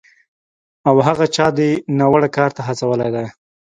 او هغه چا دې ناوړه کار ته هڅولی دی